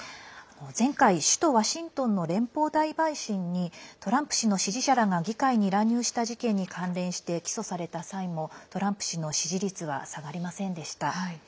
前回、首都ワシントンの連邦大陪審にトランプ氏の支持者らが議会に乱入した事件に関連して起訴された際もトランプ氏の支持率は下がりませんでした。